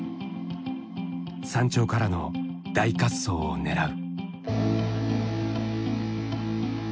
山頂からの大滑走を狙う。